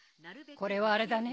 これはあれだね。